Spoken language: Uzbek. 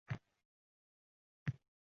Soat sayin ichki zo’riqish oshib boradi.